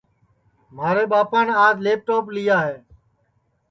مھارے ٻاپان آج لیپ ٹوپ لیا ہے